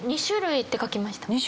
２種類って書きました。